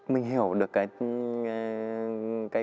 mình hiểu được cái